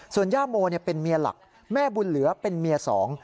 ส่วนย่าโมเป็นเมียหลักแม่บุญเหลือเป็นเมียสอง